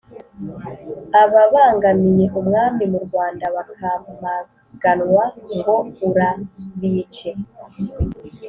- ababangamiye umwami mu rwanda bakamaganwa (ngo:"urabice